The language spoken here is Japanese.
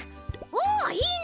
おっいいね！